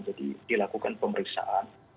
jadi dilakukan pemeriksaan